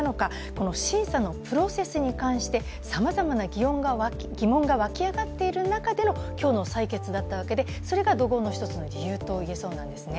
この審査のプロセスに関してさまざまな疑問が湧き上がっている中での今日の採決だったわけで、それが怒号の一つの理由と言えそうなんですね。